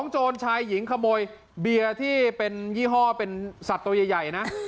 โจรชายหญิงขโมยเบียร์ที่เป็นยี่ห้อเป็นสัตว์ตัวใหญ่นะ